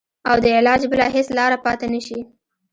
او د علاج بله هېڅ لاره پاته نه شي.